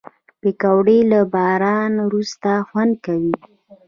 پکورې له باران وروسته خوند کوي